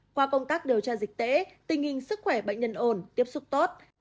qua công tác điều tra dịch tễ tình hình sức khỏe bệnh nhân ổn tiếp xúc tốt